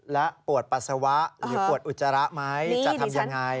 และปวดปัสสาวะหรือปวดอุจจาระไหมจะทำยังไง